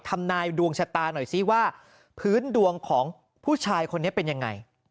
ทำนายดวงชะตาหน่อยซิว่าพื้นดวงของผู้ชายคนนี้เป็นยังไง